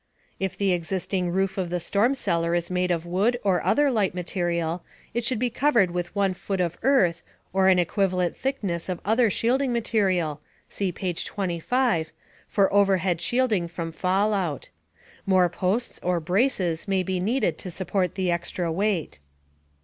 If the existing roof of the storm cellar is made of wood or other light material, it should be covered with one foot of earth or an equivalent thickness of other shielding material (see page 25) for overhead shielding from fallout. More posts or braces may be needed to support the extra weight.